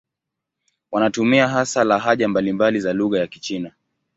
Wanatumia hasa lahaja mbalimbali za lugha ya Kichina.